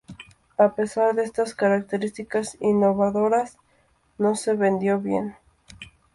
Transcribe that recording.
A pesar de estas características innovadoras, no se vendió bien.